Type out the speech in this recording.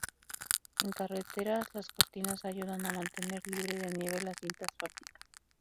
En carreteras, las cortinas ayudan a mantener libre de nieve la cinta asfáltica.